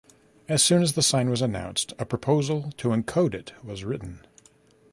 As soon as the sign was announced, a proposal to encode it was written.